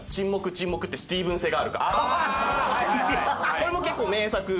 これも結構名作。